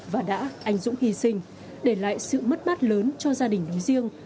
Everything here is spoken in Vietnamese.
và đã ảnh dũng hy sinh để lại sự mất mát lớn cho gia đình đối riêng